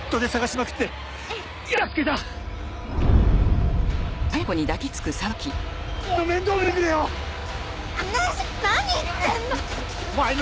なに言ってんの！